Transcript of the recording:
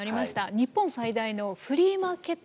日本最大のフリーマーケット